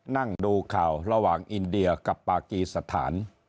นั่งดูข่าวระหว่างอินเดียกับปากีสถาน